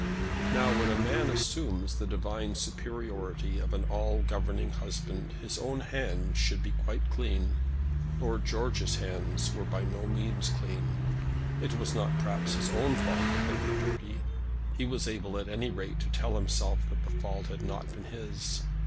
Now, when a man assumes the divine superiority of an all governing husband his own hands should be quite clean. Lord George's hands were by no means clean. It was not, perhaps, his own fault that they were dirty. He was able at any rate to tell himself that the fault had not been his.